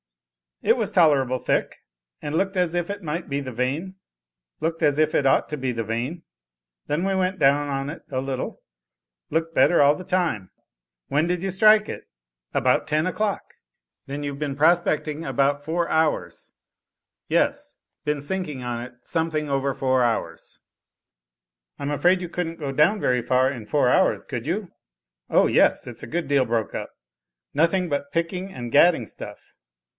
"It was tolerable thick, and looked as if it might be the vein looked as if it ought to be the vein. Then we went down on it a little. Looked better all the time." "When did you strike it?" "About ten o'clock." "Then you've been prospecting about four hours." "Yes, been sinking on it something over four hours." "I'm afraid you couldn't go down very far in four hours could you?" "O yes it's a good deal broke up, nothing but picking and gadding stuff."